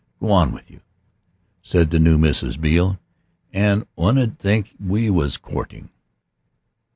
"Go on with you," said the new Mrs. Beale; "any one 'ud think we was courting."